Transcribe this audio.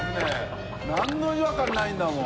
何の違和感ないんだもん。